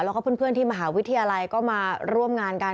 แล้วก็เพื่อนที่มหาวิทยาลัยก็มาร่วมงานกัน